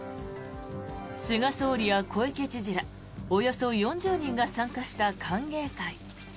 菅総理や小池知事らおよそ４０人が参加した歓迎会。